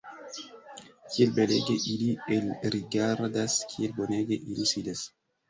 Kiel belege ili elrigardas, kiel bonege ili sidas!